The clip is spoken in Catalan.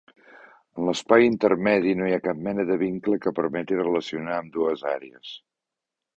En l'espai intermedi no hi ha cap mena de vincle que permeti relacionar ambdues àrees.